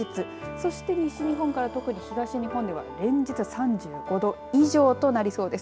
そして西日本から特に東日本が連日３５度以上となりそうです。